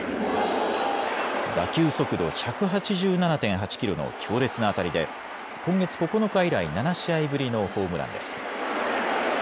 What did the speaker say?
打球速度１８７．８キロの強烈な当たりで今月９日以来、７試合ぶりのホームランです。